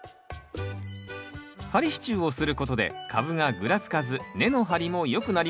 仮支柱をすることで株がぐらつかず根の張りもよくなります。